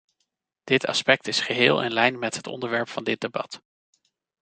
Dit aspect is geheel in lijn met het onderwerp van dit debat.